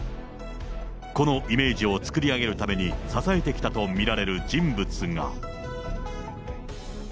このイメージを作り上げるために支えてきたと見られる人物が。